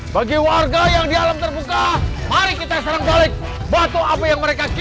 bagi warga yang di alam terbuka mari kita serang balik batu abe yang mereka cintai